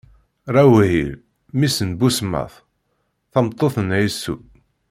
Raɛuwil, mmi-s n Busmat, tameṭṭut n Ɛisu.